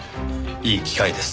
いい機会です。